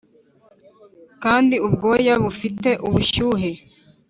kandi ubwoya bufite ubushyuhe